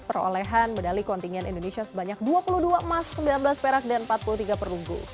perolehan medali kontingen indonesia sebanyak dua puluh dua emas sembilan belas perak dan empat puluh tiga perunggu